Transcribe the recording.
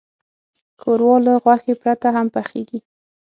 ښوروا له غوښې پرته هم پخیږي.